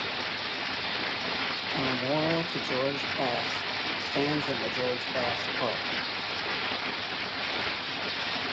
A memorial to George Bass stands in the George Bass Park.